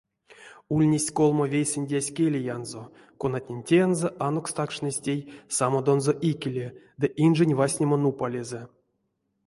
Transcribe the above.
Ульнесть колмо вейсэндязь келиянзо, конатнень тензэ анокстакшнызь тей самодонзо икеле, ды инжень вастнема нупалезэ.